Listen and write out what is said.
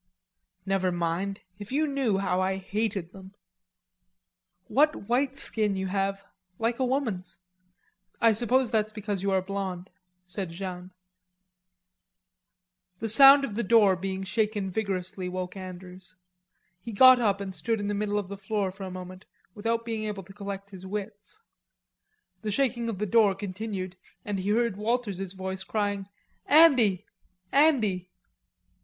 "Never mind. If you knew how I hated them." "What white skin you have, like a woman's. I suppose that's because you are blond," said Jeanne. The sound of the door being shaken vigorously woke Andrews. He got up and stood in the middle of the floor for a moment without being able to collect his wits. The shaking of the door continued, and he heard Walters's voice crying "Andy, Andy."